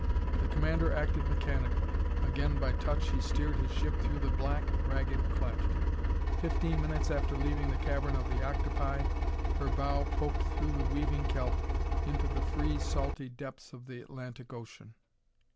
The commander acted mechanically. Again by touch he steered his ship through the black, ragged cleft. Fifteen minutes after leaving the cavern of the octopi her bow poked through the weaving kelp into the free, salty depths of the Atlantic Ocean.